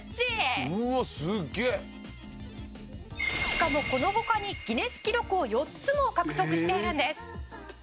「しかもこの他にギネス記録を４つも獲得しているんです」